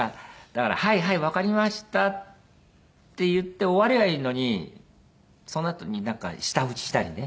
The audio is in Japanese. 「はいはいわかりました」って言って終わりゃいいのにそのあとになんか舌打ちしたりね。